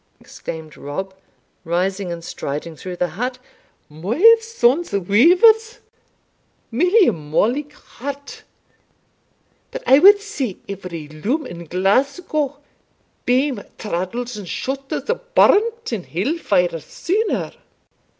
exclaimed Rob, rising and striding through the hut, "My sons weavers! Millia molligheart! but I wad see every loom in Glasgow, beam, traddles, and shuttles, burnt in hell fire sooner!"